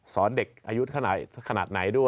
สอนเด็กอายุขนาดไหนด้วย